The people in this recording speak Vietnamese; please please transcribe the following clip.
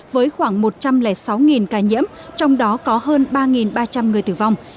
với khoảng một trăm linh sáu ca nhiễm trong đó có hơn ba ba trăm linh người tử vong